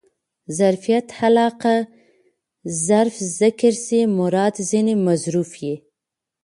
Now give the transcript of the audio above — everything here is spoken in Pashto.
ظرفیت علاقه؛ ظرف ذکر سي مراد ځني مظروف يي.